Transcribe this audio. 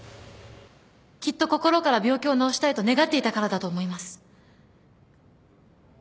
きっと心から病気を治したいと願っていたからだと思います。